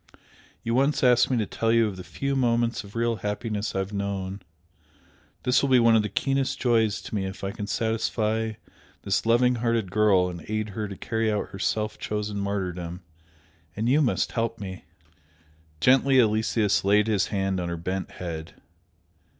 You once asked me to tell you of the few moments of real happiness I have known, this will be one of the keenest joys to me if I can satisfy this loving hearted girl and aid her to carry out her self chosen martyrdom. And you must help me!" Gently Aloysius laid his hand on her bent head.